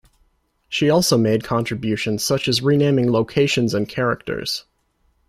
She also made contributions such as renaming locations and characters.